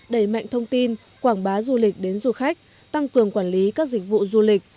đẩy mạnh thông tin quảng bá du lịch đến du khách tăng cường quản lý các dịch vụ du lịch